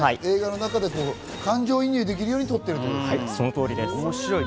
映画の中で感情移入できるように撮っているということですね。